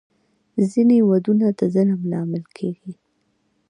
ځینې دودونه د ظلم لامل کېږي.